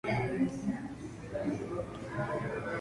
Robert Burne nació ca.